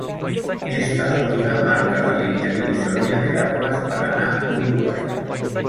Esta altura marca la línea divisoria de aguas Paraná-Uruguay.